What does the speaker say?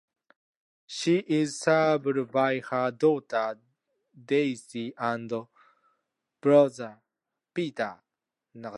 She is survived by her daughter, Daisy, and brother, Peter.